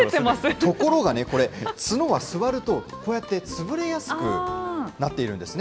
ところがこれ、角は座るとこうやって潰れやすくなってるんですね。